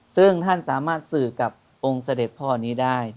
ซึ่งท่านสามารถสื่อกับองค์เสด็จพ่อนี้ได้